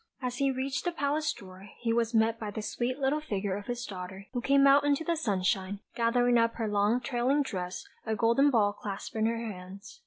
As he reached the palace door, he was met by the sweet little figure of his daughter, who came out into the sunshine, gathering up her long trailing dress, a golden ball clasped in her hands.